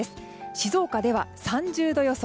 静岡では３０度予想。